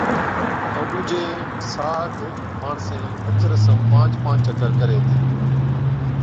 ائُون ڏُوجين ساڌ ماڻسين ھچ رسم پانچ پانچ چڪر ڪرين ھِتين